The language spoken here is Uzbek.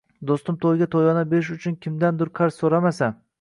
do‘stini to‘yiga to‘yona berish uchun kimdandur qarz so‘ramasa